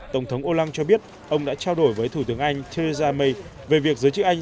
tổng thống olan cho biết ông đã trao đổi với thủ tướng anh theresa may về việc giới chức anh